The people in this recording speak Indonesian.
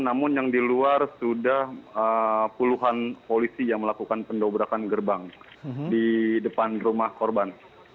namun yang di luar sudah puluhan polisi yang melakukan pendobrakan gerbang di depan rumah korban